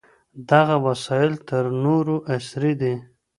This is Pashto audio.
دغه وسايل تر نورو عصري دي.